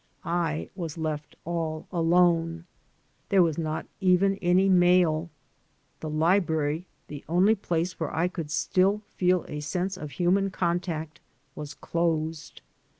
I was left all alone. There was not even any mail. The library — the only place where I could still feel a sense of human contact — was closed.